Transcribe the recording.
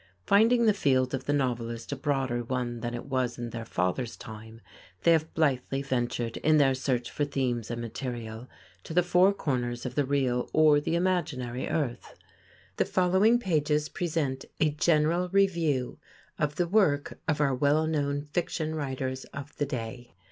Finding the field of the novelist a broader one than it was in their fathers' time, they have blithely ventured, in their search for themes and material, to the four corners of the real or the imaginary earth. The following pages present a general review of the work of our well known fiction writers of the day.